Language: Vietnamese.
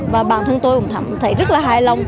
và bản thân tôi cũng cảm thấy rất là hài lòng